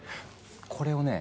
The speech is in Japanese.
これをね